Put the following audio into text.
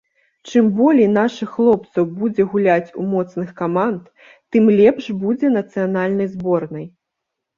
Чым болей нашых хлопцаў будзе гуляць у моцных каманд, тым лепш будзе нацыянальнай зборнай.